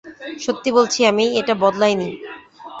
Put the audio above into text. সত্যি বলছি আমি এটা বদলাইনি।